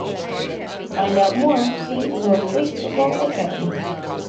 To find out more see Northfleet Football Academy.